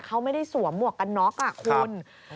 เขาไม่ได้สวมหมวกกันน็อกคุณ